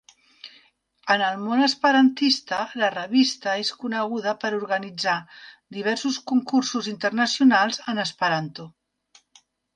En el món esperantista, la revista és coneguda per organitzar diversos concursos internacionals en esperanto.